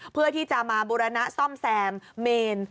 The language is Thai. เพื่อที่จะมาบุรณะซ่อมแซมเมน